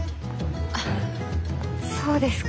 あっそうですか。